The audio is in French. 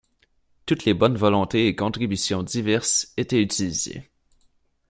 Toutes les bonnes volontés et contributions diverses étaient utilisées.